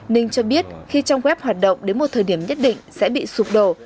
ninh cho biết khi trong web hoạt động đến một thời điểm nhất định sẽ bị sụp đổ